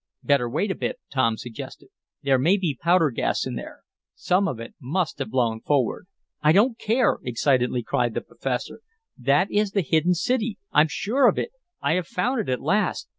"Better wait a bit," Tom suggested. "There may be powder gas in there. Some of it must have blown forward." "I don't care!" excitedly cried the professor. "That is the hidden city! I'm sure of it! I have found it at last!